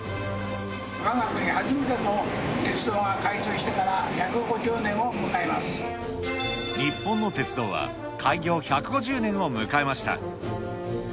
わが国初めての鉄道が開通し日本の鉄道は、開業１５０年を迎えました。